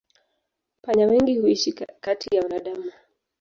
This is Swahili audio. Panya wengi huishi kati ya wanadamu.